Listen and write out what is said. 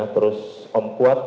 terus om kuat